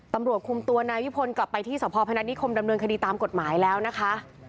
ตำรวจคุมตัวนายวิพลกลับไปที่สพพนัทนิคมดำเนินคดีตามกฎหมายแล้วนะคะ